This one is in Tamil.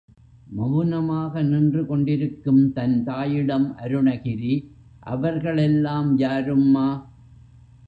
மவுனமாக நின்று கொண்டிருக்கும் தன் தாயிடம் அருணகிரி, அவர்கள் எல்லாம் யாரும்மா?